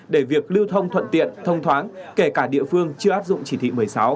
để việc lưu thông thuận tiện thông thoáng kể cả địa phương chưa áp dụng chỉ thị một mươi sáu